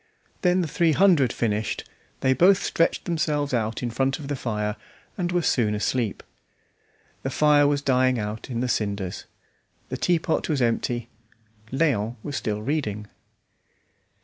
Then the three hundred finished, they both stretched themselves out in front of the fire, and were soon asleep. The fire was dying out in the cinders; the teapot was empty, Léon was still reading.